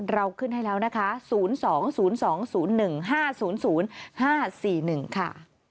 เราขึ้นให้แล้วนะคะ๐๒๐๒๐๑๕๐๐๕๔๑ค่ะ